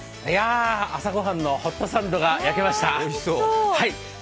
朝ご飯のホットサンドが焼けました。